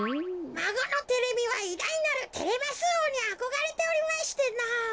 まごのテレミはいだいなるテレマスおうにあこがれておりましてのぉ。